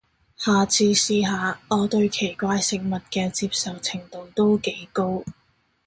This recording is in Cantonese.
下次試下，我對奇怪食物嘅接受程度都幾高